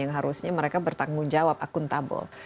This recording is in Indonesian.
yang harusnya mereka bertanggung jawab akuntabel